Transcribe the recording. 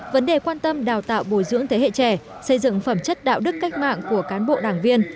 vấn đề quan tâm đào tạo bồi dưỡng thế hệ trẻ xây dựng phẩm chất đạo đức cách mạng của cán bộ đảng viên